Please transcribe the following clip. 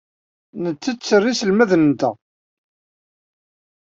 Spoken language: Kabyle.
Nettetter iselmaden-nteɣ.